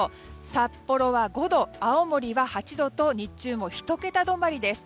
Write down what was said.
札幌は５度、青森は８度と日中も１桁止まりです。